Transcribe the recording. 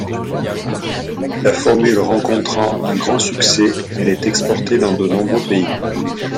La formule rencontrant un grand succès, elle est exportée dans de nombreux pays.